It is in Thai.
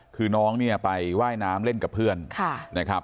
คือน้องไปว่ายน้ำเล่นกับเพื่อน